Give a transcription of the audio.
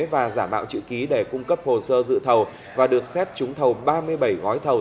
và giả mạo chữ ký để cung cấp hồ sơ dự thầu và được xét trúng thầu ba mươi bảy gói thầu